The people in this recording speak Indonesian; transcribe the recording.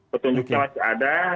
petunjuknya masih ada